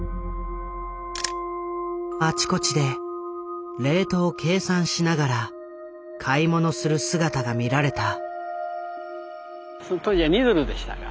あちこちでレートを計算しながら買い物する姿が見られた。